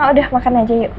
udah makan aja yuk